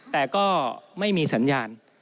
แต่ก็ไม่มีสัญญาณ